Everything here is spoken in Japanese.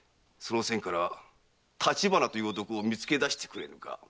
その線から立花という男を見つけだしてくれぬか？